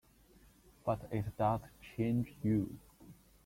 But it does change you.